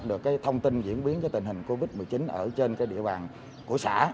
được thông tin diễn biến tình hình covid một mươi chín ở trên địa bàn của xã